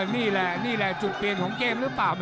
นี่แหละนี่แหละจุดเปลี่ยนของเกมหรือเปล่า